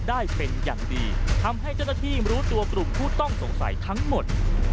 ได้เป็นอย่างดีทำให้เจ้าหน้าที่รู้ตัวกลุ่มผู้ต้องสงสัยทั้งหมด